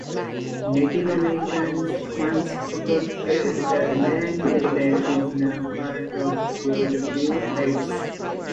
Native Americans once occupied the land that is now part of Broadview Heights.